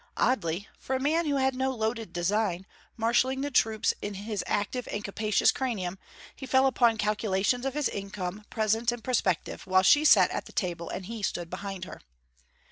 Oddly, for a man who had no loaded design, marshalling the troops in his active and capacious cranium, he fell upon calculations of his income, present and prospective, while she sat at the table and he stood behind her.